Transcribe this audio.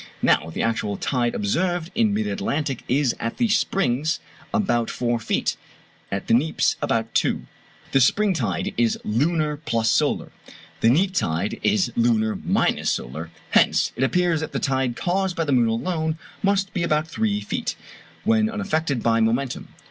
Now the actual tide observed in mid Atlantic is at the springs about four feet, at the neaps about two. The spring tide is lunar plus solar; the neap tide is lunar minus solar. Hence it appears that the tide caused by the moon alone must be about three feet, when unaffected by momentum.